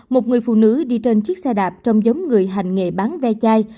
một người phụ nữ đi trên chiếc xe đạp trông giống người hành nghệ bán ve chai